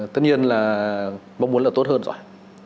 tất nhiên là mong muốn là tốt hơn rồi